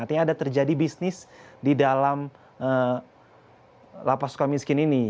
artinya ada terjadi bisnis di dalam lapas sukamiskin ini